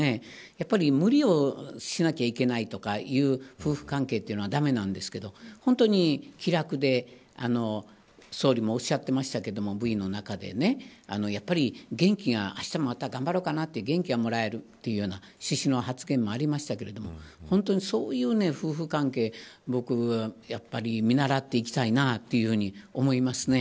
やっぱり無理をしないといけないとかいう夫婦関係というのは駄目なんですけど本当に気楽で総理もおっしゃってましたけれどもＶの中で元気が、あしたもまた頑張ろうかなと元気がもらえるというような趣旨の発言もありましたけど本当に、そういう夫婦関係僕は、やっぱり見習っていきたいなと思いますね。